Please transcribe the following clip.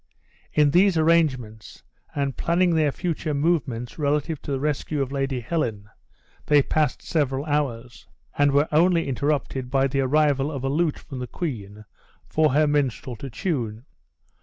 In these arrangements, and planning their future movements relative to the rescue of Lady Helen, they passed several hours, and were only interrupted by the arrival of a lute from the queen for her minstrel to tune.